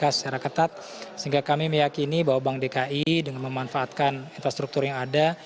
secara ketat sehingga kami meyakini bahwa bank dki dengan memanfaatkan infrastruktur yang ada